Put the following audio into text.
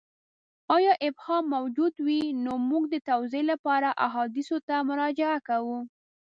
یا ابهام موجود وي نو موږ د توضیح لپاره احادیثو ته مراجعه کوو.